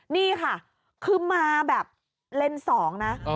นี่ค่ะคือมาแบบเลนส์๒นะ